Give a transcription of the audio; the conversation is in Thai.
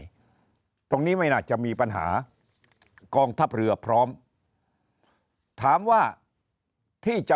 ตรงนี้ไม่น่าจะมีปัญหากองทัพเรือพร้อมถามว่าที่จะ